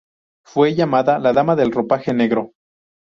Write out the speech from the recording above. Fue llamada "la dama del ropaje negro".